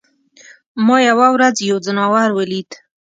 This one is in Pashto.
ما یوه ورځ یو ځناور ولید.